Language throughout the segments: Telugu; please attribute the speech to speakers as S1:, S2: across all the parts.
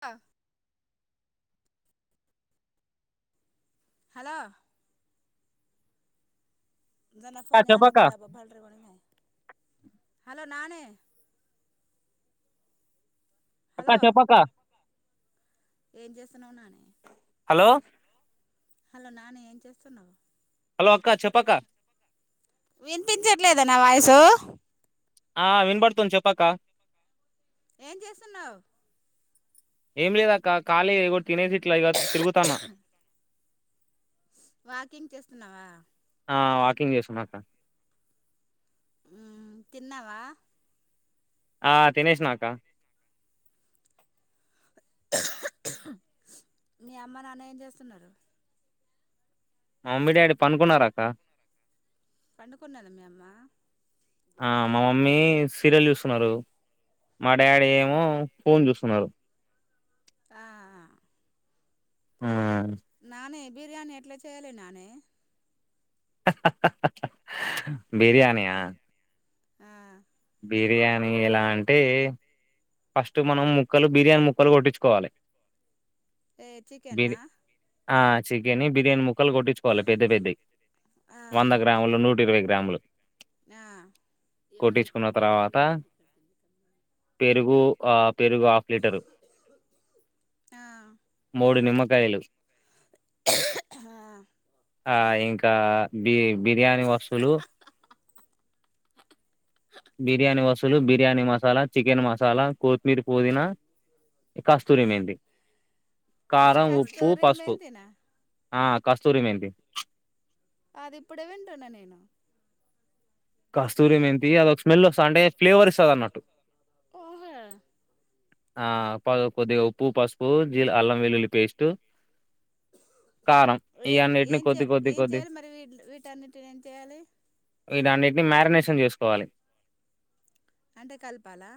S1: ఆ హలో
S2: అక్క చెప్పక్క
S1: [unintelligible] హలో నానే
S2: అక్క
S1: హలో,
S2: చెప్పక్క
S1: ఏం చేస్తున్నావున్నాని
S2: హలో
S1: హలో నానీ ఏం చేస్తున్నవ్?
S2: హలో అక్క చెప్పక్క.
S1: వినిపించట్లేద నా వాయిసు
S2: ఆ వినపడుతుంది చెప్పక్క
S1: ఏం చేస్తున్నావ్
S2: ఏం లేదక్క ఖాళీ తినేసిట్ల ఇగ తిరుగుతాన్న
S1: వాకింగ్ చేస్తున్నావా.
S2: ఆ వాకింగ్ చేస్తూన్నాక్క.
S1: తిన్నవా?
S2: ఆ తినేసిన అక్క
S1: మీ అమ్మ నాన్న ఏం చేస్తున్నారు?
S2: మా మమ్మీ డాడీ పనుకున్నారక్క
S1: పండుకున్నద మీ అమ్మ
S2: సీరెల్ చూస్తున్నరు, మా డాడీ ఏమో ఫోన్ చూస్తున్నారు.
S1: ఆఆ
S2: ఆ
S1: నానేే బిర్యానీ ఎట్లా చేయ్యాలె నానే
S2: బిర్యానియా
S1: ఆ
S2: బిర్యానీ ఎలా అంటే ఫస్ట్ మనం ముక్కలు, బిర్యానీ ముక్కలు కొట్టిచ్చుకోవాలె.
S1: ఏ చికెన్న
S2: చికెన్ని బిర్యానీ ముక్కలు కొట్టించుకోవాలి పెద్ద పెద్దయ్,
S1: ఆ
S2: వంద గ్రాములు నూటిరవై గ్రాములు
S1: ఆ
S2: కొట్టించుకున్న తర్వాత కో ఆ పెరుగు హాఫ్ లీటరు,
S1: ఆ
S2: మూడు నిమ్మకాయలు, ఆ ఇంకా బి బిర్యానీ వస్తులు, బిర్యానీ వసులు బిర్యాని మసాలా చికె మా సాలా కొత్తిమీర పోదన కాస్తూర ఏమైంది కారం ఉప్పు
S1: కస్తూరి
S2: పసుపు
S1: మెంతినా
S2: ఆ కస్తూరిమ ఏంటి
S1: అది ఇప్పుడే వింటన్నా నేను
S2: కాస్తూర్యం ఏంటి అదొక స్మెల్ వస్తంది అంటే ఫ్లేవర్ ఇస్తుంది అన్నట్టు
S1: ఓహో
S2: ఆ కొద్ది కొద్దిగా ఉప్పు పసుపు జీ అల్లం వెల్లుల్లి పేస్ట్ కారం
S1: ఏం
S2: ఇవన్నిటిని
S1: ఏం చే
S2: కొద్ది కొద్ది
S1: ఏం
S2: కొద్ది
S1: చేయాలి మరి వీటన్నిటిని ఏం చేయాలి
S2: ఇ దాన్నింటిని మ్యారినేషన్ చేసుకోవాలి
S1: అంటే కలపాలా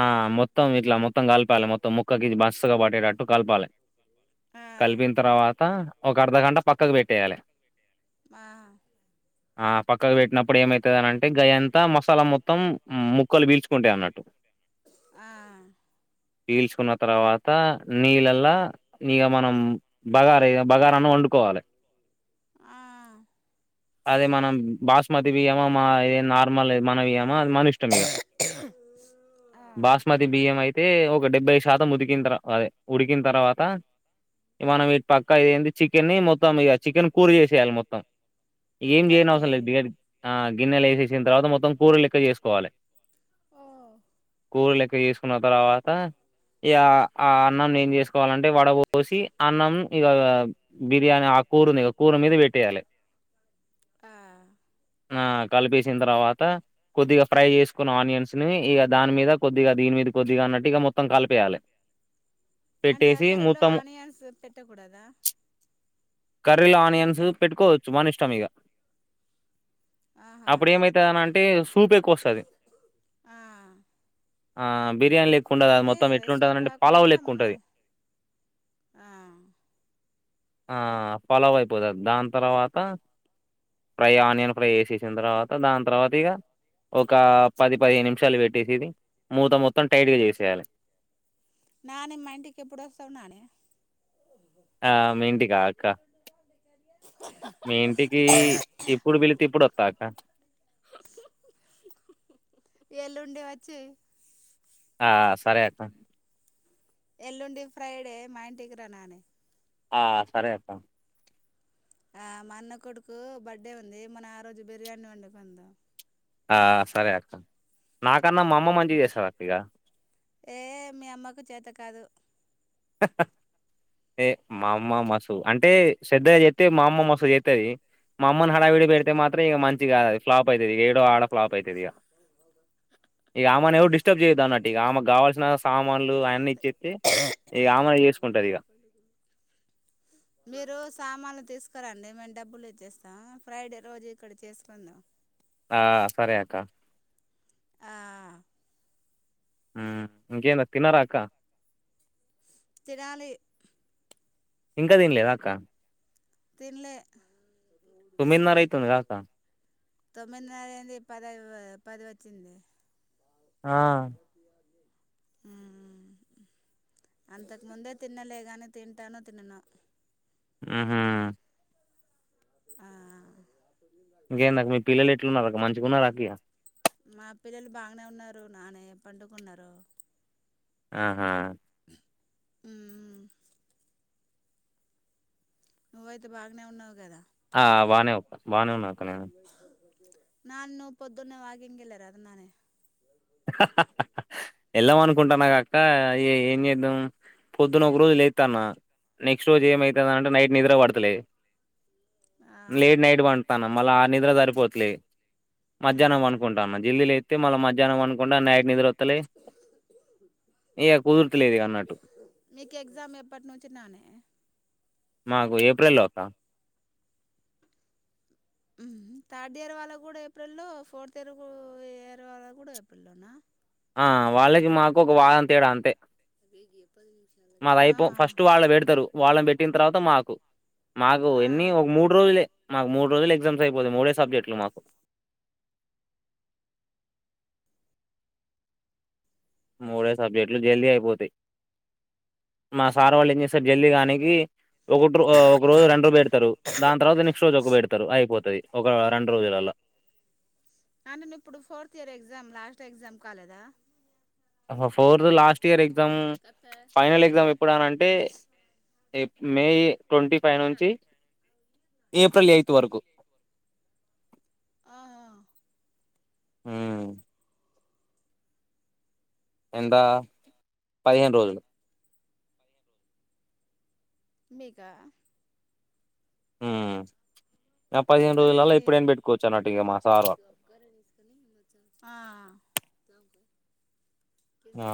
S2: ఆ మొత్తం ఇట్లా మొత్తం కలపాలి మొత్తం ముక్కకి బస్తుగా పట్టేటట్టు కలపాలి
S1: ఆ
S2: కలిపిన తర్వాత ఒక అర్ధ గంట పక్కకు పెట్టేయాలి
S1: ఆ
S2: ఆ పక్కకు పెట్టినప్పుడు ఏమైతుంది అనింటే గగాయ అంతా మసాలా మొత్తం ముక్కలు పీల్చుకుంటేయి అన్నట్టు
S1: ఆ
S2: పీల్చుకున్న తర్వాత నీళ్ళలా నీక మనం బగార బగారాన్ని వండుకోవాలి
S1: ఆ
S2: అదే మనం బాస్మతి బియ్య ఏమో ఇదే నార్మల్ మన ను ఇం
S1: ఆ
S2: బాస్మతి బియ్యం అయితే ఒక డెబ్బై శాతం ఉదికిన తవా అదే ఉడికిన తర్వాత మనం ఇటి పక్క ఇది ఏంది చికెన్ని మొత్తం ఇక చికెన్ కూర చేసేయాలి మొత్తం ఏం
S1: కర్రీ
S2: చేయని అవసరం లేదు
S1: చేయాలి
S2: దిగ ఆ గిన్నెలు వేసేసిన తర్వాత మొత్తం కూర లెక్క చేసుకోవాలి
S1: ఓ
S2: కో ఇ చేసుకున్న తర్వాత ఇక ఆ అన్నం ఏం చేసుకోవాలంటే వడ పోసి అన్నం ఇక బిర్యానీ ఆ కూరని ఇక కూర మీద పెట్టేయాలి
S1: ఆ
S2: ఆ కలిపేసిన తర్వాత కొద్దిగా ఫ్రై చేసుకున్న ఆనియన్స్ ని ఇక దాని మీద కొద్దిగా దీని మీద కొద్దిగా అన్నట్టు ఇక మొత్తం కలిపేయాలి
S1: అంటే ఆ
S2: పెట్టేసి
S1: కరలో
S2: మొత్తం
S1: ఆనియాన్స్ పెట్టకూడదా
S2: కర్రీల ఆనియన్స్ పెట్టుకోవచ్చు మన ఇష్టం ఇక
S1: ఆహా
S2: అప్పుడు ఏమైతుందిని అంటే సూప్ ఎక్కువ వస్తుంది
S1: ఆ
S2: ఆ బిర్యానీ ఎక్కు ఉంటంది అది
S1: అంటే
S2: మొత్తం
S1: సూప్
S2: ఎట్లుంటుందింటే
S1: రాకుండా
S2: పాలవు ఎక్కు
S1: మనం
S2: ఉంటుంది
S1: ఆ
S2: పలోవ అయిపోతుంది దాని తర్వాత ఫ్రై ఆనియన్ ఫ్రై వేసేసిన తర్వాత దాని తర్వాత ఇక ఒక పది పదిహేను నిమిషాలు పెట్టేసేది మూత మొత్తం టైట్గా చేసేయాలి
S1: నాని మా ఇంటికి ఎప్పుడు వస్తావు నానే
S2: ఆ మీ ఇంటికా అక్క మీ ఇంటికి ఇప్పుడు పిళితే ఇప్పుడు వస్తాక్క
S1: ఎల్లుుండే వచ్చి
S2: ఆ సరే అక్క
S1: ఎల్లుండి ఫ్రైడే మా ఇంటికి రాన్నాే
S2: ఆ సరే అక్క
S1: ఆ మా అన్న కొడుకు బర్త్డే ఉంది మన ఆ రోజు బిర్యానీ వండుకుంద
S2: ఆ సరే అస నాకన్న మామ్మ మంచి చేస్తారు అక్క ఇగ
S1: ఏ మీ అమ్మకు చేత కాదు
S2: ఏ మా అమ్మ మసు అంటే శ్రద్ధగా చెతే మా అమ మసు చెస్తది మా అమ్మని హడావిడి పెడితే మాత్రం ఇక మంచి కాదు ఫ్లాప్ అయితది ఇ ఏడో ఆడ ఫ్లాప్ అయితదిగా ఇగ ఆమెను ఎవరు డిస్టర్బ్ చేయొద్దు అన్నట్టు ఇక ఆమెకు గావాల్సిన సా వాళ్ళు ఆయన్ని ఇచ్చేత్తే ఇగ ఆమ జేసుకుంటది ఇగ
S1: ఇక్క రండి మేము డబ్బులు ఇచ్చేస్తా ఫ్రైడే రోజు ఇక్కడ చేసుకుందాం
S2: ఆ సరే అక్క
S1: ఆ
S2: ఊ ఇంకేంది తిన్నార అక్క
S1: తినాలి
S2: ఇంక దిన్లేదా అక్క
S1: తిన్లే
S2: తొమ్మిదిన్నర అయితాంది గా అక్క
S1: తొమ్మిదిన్నర ఏది పది పది వచ్చింది
S2: ఆ
S1: అంతకుముందే తిన్నలే గనీ తింటానో తిననో
S2: ఊ హు
S1: ఆ
S2: ఇంకేంది అక్క మీ పిల్లలు ఎట్లున్నారు అ మంచిగున్నర అక్క ఇగ
S1: మా పిల్లలు బాగానే ఉన్నారు నాని పండుకున్నరు
S2: ఆహా
S1: ఊ నువ్వుయితే బాగానే ఉన్నావు గదా
S2: ఆ బానే అక్క బానే ఉన్నా అక్క నేను
S1: నన్ను పొద్దున్నే వాకింగ్ కెల్లారాదు నాని
S2: వెళ్దామా అనుకుంటాన్నా గ అక్క ఏం చేద్దాం పొద్దున్న ఒక రోజు లేత్తన్న నెక్స్ట్ రోజు ఏమవుతుంది అంటే నైట్ నిద్ర పడతలే
S1: ఆ
S2: లేట్ నైట్ వండుతన మల్ల ఆ నిద్ర జరిపోట్లే మధ్యాహ్నం
S1: మ్మ్
S2: పండుకుంటా అన్న జల్దీ లేత్ మల్ల మధ్యాన్నం పండుక్ డా నైట్ నిద్రొత్ తలే ఏయ కుదుర్త లేదు అన్నట్టు
S1: మీకు ఎగ్జామ్ ఎప్పటి నుంచి నానే
S2: మాకు ఏప్రిల్ లో అక్క
S1: థర్డ్ ఇయర్ వాళ్ళకు గూడ ఏప్రిల్లో ఫోర్త్ ఇయర్ ఇయర్ వాళ్ళ గూడా ఏప్రిల్లోనా
S2: ఆ వాళ్ళకి మాకు ఒక వారం తేడా అంతే మాది
S1: ఆ
S2: అయిపో ఫస్ట్ వాళ్ళ పెడతరు వాళ్ళ పెట్టిన తర్వాత మాకు మాకు
S1: ఆ
S2: ఎన్ని ఒక మూడు రోజులే మాకు మూడు రోజులు ఎగ్జామ్ ఇయిపోతే మూడే సబ్జెక్ట్లు మాకు మూడే సబ్జక్ట్లు జల్ది అయిప్ పోతయి మా సార్ వాళ్ళు ఏం చేసార్ జల్దిగానికి ఒక ఒక రోజు రెంట్కు పెడ్తరు దాన్ తర్వాత నెక్స్ట్ రోజు ఒక పెడ్తరు అయిపోతది ఒక రెండు రోజులలా
S1: అంటే నువ్ ఇప్పుడు fourth year exam last exam కాలేదా
S2: fourth last year exam final exam ఎప్పుడనంటే ఏప్ మే ట్వంటీ ఫైవ్ నుంచి ఏప్రిల్ ఎయిత్ వరకు
S1: ఆహా
S2: మ్ ఎంతా పదిహేను రోజులు
S1: మీకా
S2: మ్
S1: మళ్ళీ
S2: మా సార్ వాళ్ళు
S1: ఆ
S2: ఆ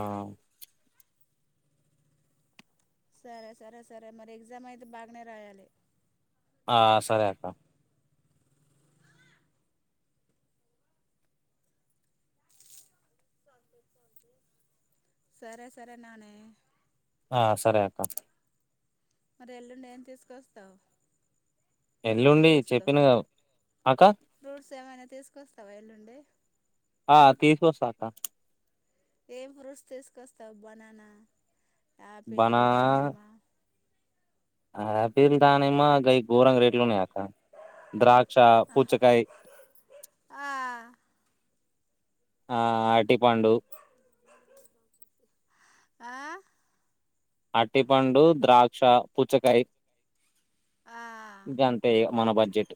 S1: సరే సరే సరే మరి ఎగ్జామ్ అయితే బాగనే రాయాలి
S2: ఆ సరే అక్క
S1: సరే సరే నాని
S2: ఆ సరే అక్క
S1: మరి ఎల్లుండి ఏం తీస్కొస్తావ్
S2: ఎల్లుండి చెప్పినగా అక్కా
S1: ఫ్రూట్స్ ఏమైన తీస్కొస్తావా ఎల్లుండి
S2: ఆ తీస్కొస్త అక్క
S1: ఏం ఫ్రూట్స్ తీస్కొస్తావ్ బనానా ఆపిల్, దానిమ్మ
S2: బనానా ఆపిల్, దానిమ్మ గయి గోరంగా రేట్లున్నయి అక్క ద్రాక్ష, పూచ్చకాయ్ ఆ టిపండు
S1: ఆ
S2: అర్టిపండు, ద్రాక్ష, పుచ్చకాయ్
S1: ఆ
S2: మన బడ్జెట్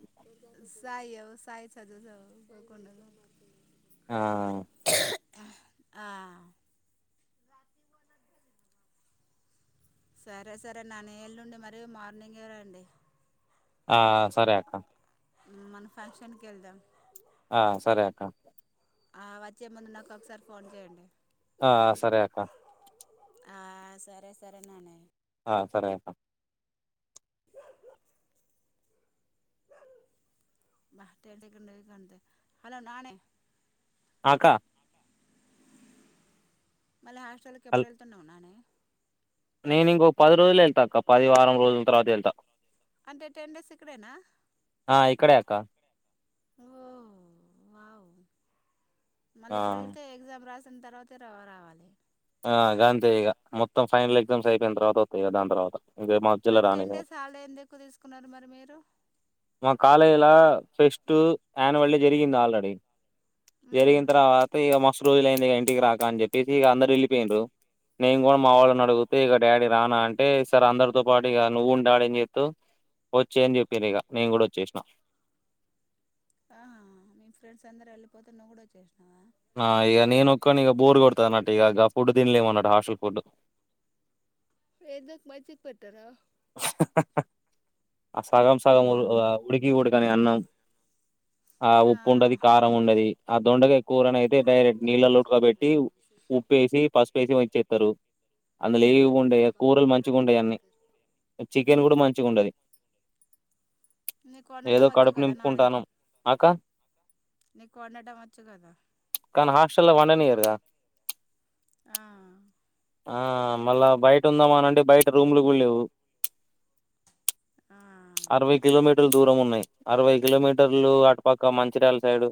S1: సాయి ఒ సాయి [inaudible] తెలివనట్టుంది
S2: ఆ
S1: ఆ సరే సరే నాని ఎల్లుండి మరి మార్నింగే రండి
S2: ఆ సరే అక్క
S1: మన ఫంక్షన్ కెళ్దాం
S2: ఆ సరే అక్క
S1: ఆ వచ్చే ముందు నాకొకసారి ఫోన్ చేయండి
S2: ఆ సరే అక్క
S1: ఆ సరే సరే నానే
S2: ఆ సరే అక్క
S1: హలో నాని
S2: ఆహ్ అక్క.
S1: మళ్ళీ హాస్టల్ కి ఎప్పుడు
S2: అల్-
S1: వెళ్తున్నావ్ నాని.
S2: నేను ఇంకో పది రోజులో వెలతా అక్క పది వారం రోజుల తర్వాత వెళ్తా.
S1: అంటే టెన్ డేస్ ఇక్కడేనా.
S2: ఆహ్.
S1: ఓ వావ్. మళ్ళీ ఇప్పుడు
S2: ఆ
S1: వెళ్తే ఎగ్జామ్ రాసి. తర్వాత నువ్వు రావాలి.
S2: ఆహ్ గంతే ఇక మొత్తం ఫైనల్ ఎగ్జామ్స్ అయిపోయిన తర్వాత వత్త దాని తర్వాత. ఇంక మధ్యలో
S1: మరి
S2: రానిగ
S1: టెన్ డేస్ హాలిడే ఎందుకు తీసుకున్నారు మరి మీరు.
S2: ఇక ఫేస్ట్ అన్యువల్ డే జరిగింది ఆల్రెడీ జరిగిన తర్వాత ఇగ మస్తు రోజులుయింది ఇగ ఇంటికి రాక అని చెప్పేసి ఇంకా అందరు ఎళ్లి. చెప్పారు నేను కూడా మా వాళ్ళని అడిగితే డాడీ రానా అంటే సారే అందరితో పాటు ఇక నువ్వు ఉండి ఆడ ఏం చేస్తావ్ వచ్చేయని చెప్పిండు ఇక నేను కూడా వచ్చేసిన.
S1: ఆహ్ మీ ఫ్రెండ్స్ అందరు వెళ్ళిపోతే నువ్వు కూడా వచ్చేసినావా.
S2: ఆహ్ ఇక నేనొక్కడినే ఇంకా బోర్ కొడతది అన్నట్టు ఇక ఫుడ్ తినలేము అన్నట్టు హాస్టల్ ఫుడ్.
S1: వేదక్ మజ్జిగ పెట్టారా.
S2: ఆహ్ సగం సగం ఆహ్ ఉడికి ఉడుకని అన్నం. ఆహ్
S1: ఆ
S2: ఉప్పు ఉండది కారం ఉండది ఆ దొండకాయ కూరను అయితే డైరెక్ట్ నీళ్లలో ఉడకబెట్టి ఉప్పేసి పసుపేసి ఇచ్చేది. దరువు. అందులో ఏం ఉండాయే కూరలు మంచిగా ఉండావు అన్ని. చికెన్ కూడా మంచిగుండది.
S1: నీకు కొనడం వచ్చు కదా నాని
S2: అక్క
S1: నీకు కొనడం వచ్చు కదా.
S2: హాస్టల్ లో వండనీయరు కదా.
S1: ఆహ్.
S2: ఆహ్ మళ్ళా బయట ఉందామా అని అంటే బయట రూములుకూడా లేవు.
S1: ఆ
S2: అరవై కిలోమీటర్లు దూరం ఉన్నాయి అరవై కిలోమీటర్లు అటు పక్క మంచిర్యాల సైడు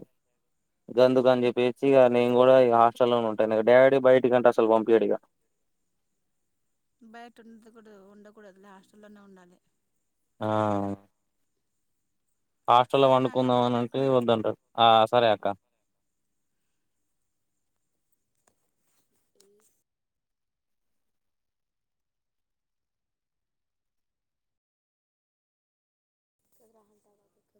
S2: గందుక అని చెప్పేసి ఇగ నేను కూడా హాస్టల్ లోనే ఉంటాను. డాడీ బయటికి అంటే అసలు పంపియడు ఇగ.
S1: బయట ఉండకుడదు ఉండకూడదు లే హాస్టల్లోనే ఉండాలి.
S2: ఆహ్. హాస్టల్లో
S1: సరే నాని
S2: వండుకుందాం
S1: గుడ్
S2: అని
S1: నైట్
S2: అంటే
S1: మరి
S2: వద్దంటారు ఆహ్. సరే అక్కా.
S1: ఈ శ్రీరాముల్ [unintelligible]